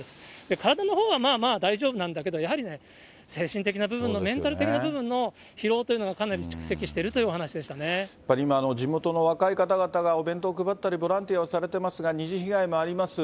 体のほうはまあまあ大丈夫なんだけど、やはりね、精神的な部分の、メンタル的な部分の疲労というのがかなり蓄積しているというお話やっぱり今、地元の若い方々がお弁当を配ったり、ボランティアをされていますが、二次被害もあります。